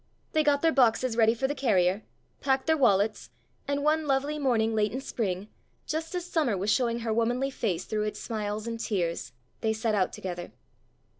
They got their boxes ready for the carrier, packed their wallets, and one lovely morning late in spring, just as summer was showing her womanly face through its smiles and tears, they set out together.